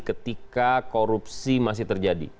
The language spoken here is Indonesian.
ketika korupsi masih terjadi